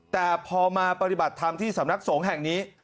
แต่พอมาปฏิบัติธรรมที่สำนักสงฆ์แห่งนี้